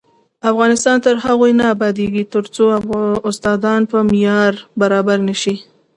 افغانستان تر هغو نه ابادیږي، ترڅو استادان په معیار برابر نشي.